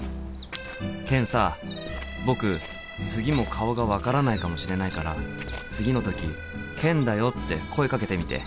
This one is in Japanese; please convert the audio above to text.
ケンさ僕次も顔が分からないかもしれないから次の時「ケンだよ」って声かけてみて。